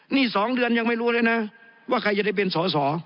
นี่๒เดือนยังไม่รู้เลยนะว่าใครจะได้เป็นสอสอ